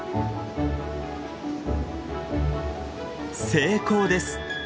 成功です！